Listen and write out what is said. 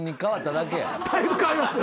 だいぶ変わりますよ。